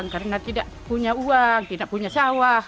karena tidak punya uang tidak punya sawah